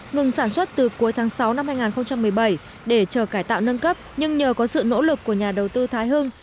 ngừng sản xuất từ cuối tháng sáu năm hai nghìn một mươi bảy để chờ cải tạo nâng cấp nhưng nhờ có sự nỗ lực của nhà đầu tư thái hưng